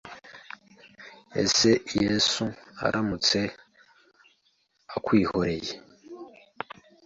Ese Yesu aramutse akwihoreye